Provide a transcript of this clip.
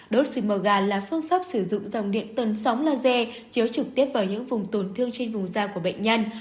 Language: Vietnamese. đốt suối màu gà là phương pháp sử dụng dòng điện tần sóng laser chiếu trực tiếp vào những vùng tổn thương trên vùng da của bệnh nhân